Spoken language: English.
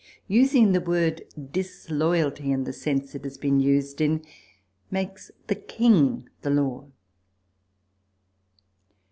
Using the word Disloyalty in the sense it has been used in, makes the King the Law.